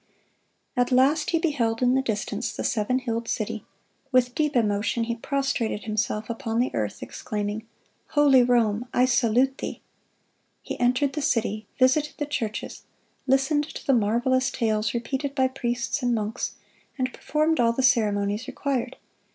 At last he beheld in the distance the seven hilled city. With deep emotion he prostrated himself upon the earth, exclaiming, "Holy Rome, I salute thee!"(163) He entered the city, visited the churches, listened to the marvelous tales repeated by priests and monks, and performed all the ceremonies required.